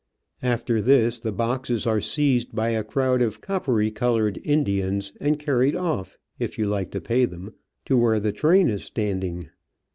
After this the boxes are seized by a crowd of coppery coloured Indians and carried off, if you like to pay them, to where the train is standing.